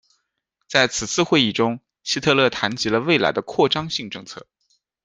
在此次会议中，希特勒谈及了未来的扩张性政策。